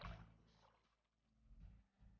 ibu selalu ada di sebelah kamu